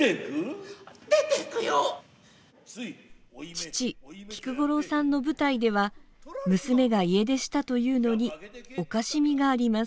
父、菊五郎さんの舞台では、娘が家出したというのに、おかしみがあります。